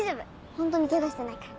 ホントにけがしてないから。